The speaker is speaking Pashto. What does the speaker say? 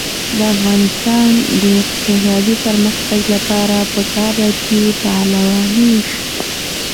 د افغانستان د اقتصادي پرمختګ لپاره پکار ده چې پهلواني وشي.